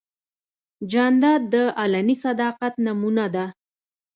جانداد د علني صداقت نمونه ده.